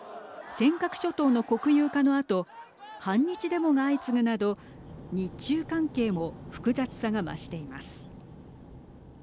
尖閣諸島の国有化のあと反日デモが相次ぐなど日中関係も複雑さが増しています。